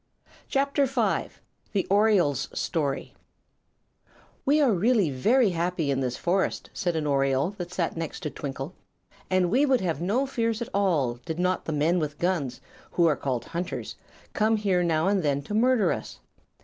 [CHAPTER V] The Oriole's Story "We are really very happy in this forest," said an oriole that sat next to Twinkle, "and we would have no fears at all did not the men with guns, who are called hunters, come here now and then to murder us.